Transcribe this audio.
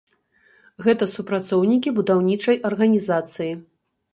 Гэта супрацоўнікі будаўнічай арганізацыі.